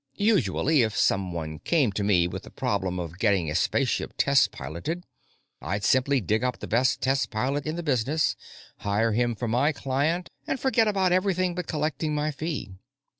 Usually, if someone came to me with the problem of getting a spaceship test piloted, I'd simply dig up the best test pilot in the business, hire him for my client, and forget about everything but collecting my fee.